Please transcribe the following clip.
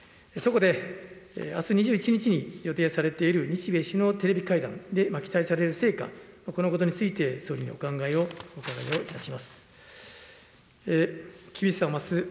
そこであす２１日に予定されている日米首脳テレビ会談で期待される成果、このことについて総理のお考えをお伺いをいたします。